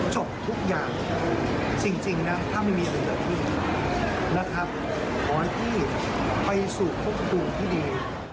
จบทุกอย่างถ้าไม่มีอะไรอยากที่นะครับขอให้พี่ไปสู่ควบคุมที่ดี